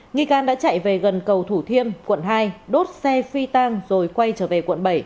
nghi can đã chạy về gần cầu thủ thiêm quận hai đốt xe phi tang rồi quay trở về quận bảy